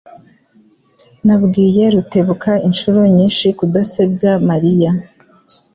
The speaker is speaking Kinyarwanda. Nabwiye Rutebuka inshuro nyinshi kudasebya Mariya.